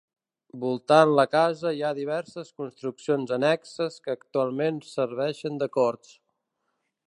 Voltant la casa hi ha diverses construccions annexes que actualment serveixen de corts.